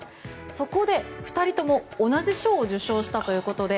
そこで、２人とも同じ賞を受賞したということで。